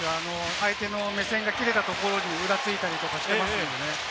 相手の目線が切れたところの裏を突いたりしてますよね。